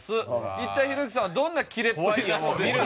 一体ひろゆきさんはどんなキレっぷりを。